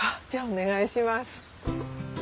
じゃお願いします。